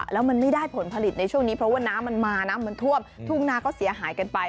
แล้วมันไม่ได้ผลผลิตในช่วงนี้เพราะว่าน้ำมันมาน้ำมันท่วมทุ่งนาก็เสียหายกันไป